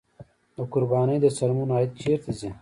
د قربانۍ د څرمنو عاید چیرته ځي؟